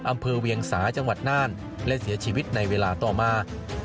อำเภอเวียงสาจังหวัดน่านและเสียชีวิตในเวลาต่อมา